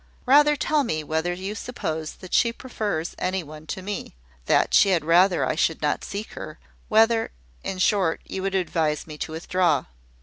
Rather tell me whether you suppose that she prefers any one to me, that she had rather I should not seek her, whether, in short, you would advise me to withdraw."